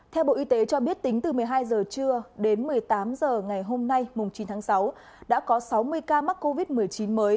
theo bộ y tế cho biết tính từ một mươi hai h trưa đến một mươi tám h ngày hôm nay chín tháng sáu đã có sáu mươi ca mắc covid một mươi chín mới